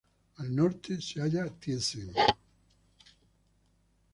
Al norte se halla Thiessen.